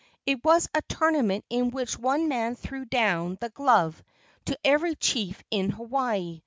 It was a tournament in which one man threw down the glove to every chief in Hawaii.